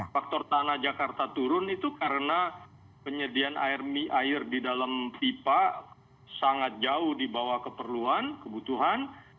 faktor tanah jakarta turun itu karena penyediaan air di dalam pipa sangat jauh dibawah keperluan kebutuhan